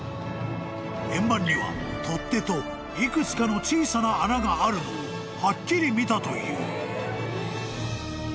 ［円盤には取っ手と幾つかの小さな穴があるのをはっきり見たという］